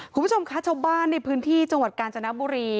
คุณผู้ชมคะชาวบ้านในพื้นที่จังหวัดกาญจนบุรี